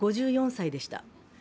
５４歳でした。